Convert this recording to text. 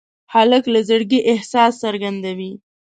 هلک له زړګي احساس څرګندوي.